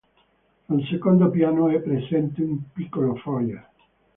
Al secondo piano è presente un piccolo foyer.